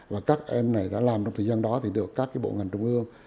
và các em này đã làm trong thời gian đó thì được các bộ ngành trung ương